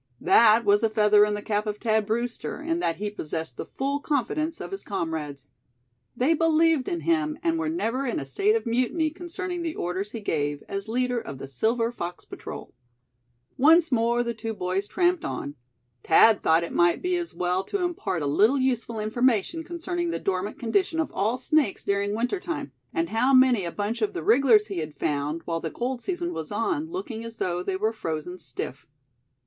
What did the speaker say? That was a feather in the cap of Thad Brewster, in that he possessed the full confidence of his comrades. They believed in him, and were never in a state of mutiny concerning the orders he gave, as leader of the Silver Fox Patrol. Once more the two boys tramped on. Thad thought it might be as well to impart a little useful information concerning the dormant condition of all snakes during winter time; and how many a bunch of the wrigglers he had found, while the cold season was on, looking as though they were frozen stiff.